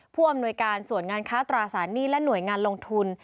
ผู้อำนวยการส่วนงานค้าตราสารหนี้และหน่วยงานลงทุน